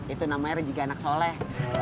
itu namanya rejigi anak soleh